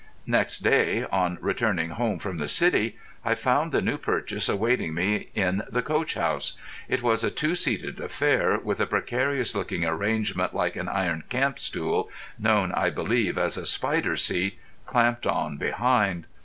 Next day, on returning home from the City, I found the new purchase awaiting me in the coach house. It was a two seated affair, with a precarious looking arrangement like an iron camp stool—known, I believe, as a spider seat—clamped on behind.